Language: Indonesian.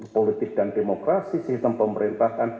politik dan demokrasi sistem pemerintahan